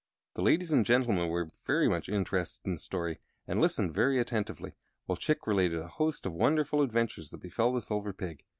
The ladies and gentlemen were much interested in the story, and listened very attentively while Chick related a host of wonderful adventures that befell the Silver Pig.